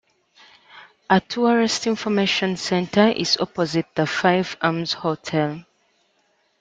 A tourist information centre is opposite the Fife Arms Hotel.